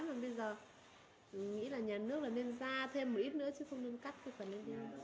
mà bây giờ nghĩ là nhà nước nên ra thêm một ít nữa chứ không nên cắt phần em nhé